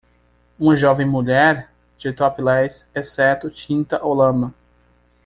Uma jovem mulher? de topless, exceto tinta ou lama.